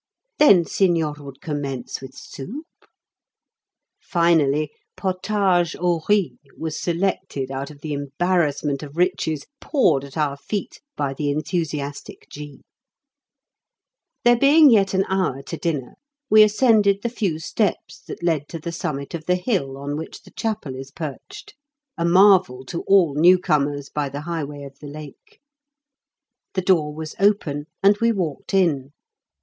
Then signor would commence with soup? Finally potage au riz was selected out of the embarrassment of riches poured at our feet by the enthusiastic G. There being yet an hour to dinner, we ascended the few steps that led to the summit of the hill on which the chapel is perched, a marvel to all new comers by the highway of the Lake. The door was open, and we walked in.